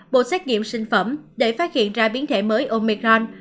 bộ xét nghiệm sinh phẩm để phát hiện ra biến thể mới omicron